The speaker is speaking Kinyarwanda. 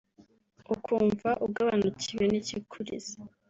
ukumva ugabanukiwe n’ikikuriza